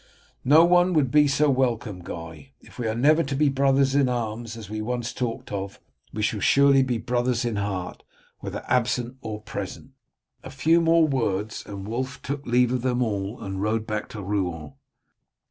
"No one would be so welcome, Guy. If we are never to be brothers in arms as we once talked of, we shall surely be brothers in heart, whether absent or present." A few more words and Wulf took leave of them all and rode back to Rouen.